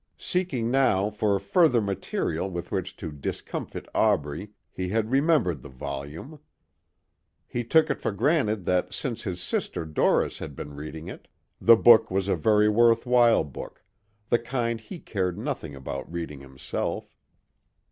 Seeking now for further material with which to discomfit Aubrey he had remembered the volume. He took it for granted that since his sister Doris had been reading it, the book was a very worthwhile book the kind he cared nothing about reading himself.